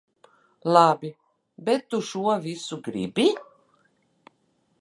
Labi, bet tu šo visu gribi?